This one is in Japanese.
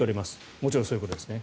もちろんそういうことですね。